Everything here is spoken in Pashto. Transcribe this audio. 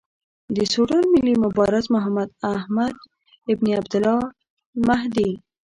د سوډان ملي مبارز محمداحمد ابن عبدالله المهدي.